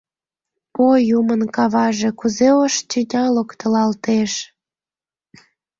О юмын каваже, кузе ош тӱня локтылалтеш!